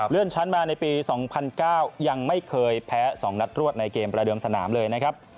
ชั้นมาในปี๒๐๐๙ยังไม่เคยแพ้๒นัดรวดในเกมประเดิมสนามเลยนะครับ